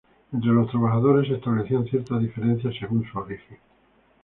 Entre los trabajadores se establecían ciertas diferencias según su origen.